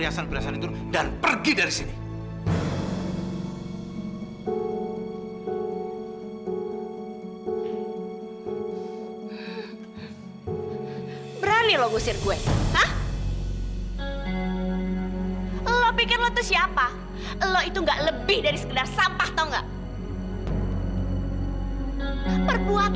ayu om betul betul minta maaf